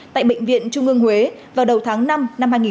tại bệnh viện trung ương huế vào đầu tháng năm năm hai nghìn hai mươi